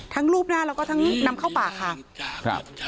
รูปหน้าแล้วก็ทั้งนำเข้าปากค่ะครับ